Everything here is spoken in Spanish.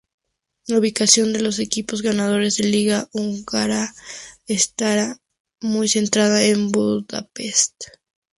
La ubicación de los equipos ganadores de liga húngara está muy centrada en Budapest.